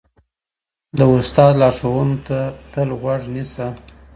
د استاد لارښوونو ته تل غوږ نیسه.